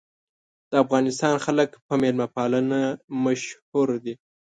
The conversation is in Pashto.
د افغانستان خلک په میلمه پالنې مشهور دي.